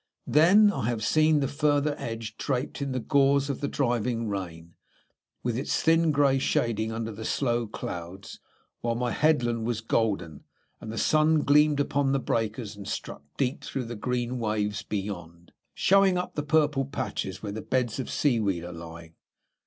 Then I have seen the further edge draped in the gauze of the driving rain, with its thin grey shading under the slow clouds, while my headland was golden, and the sun gleamed upon the breakers and struck deep through the green waves beyond, showing up the purple patches where the beds of seaweed are lying.